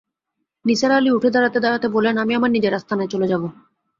নিসার আলি উঠে দাঁড়াতে-দাঁড়াতে বললেন, আমি আমার নিজের আস্তানায় চলে যাব।